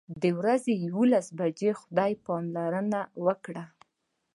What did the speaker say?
د ورځې یوولس بجې خدای پاماني وکړه.